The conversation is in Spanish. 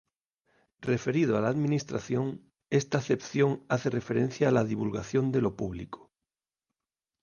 Referido a la administración, esta acepción hace referencia a la divulgación de lo público.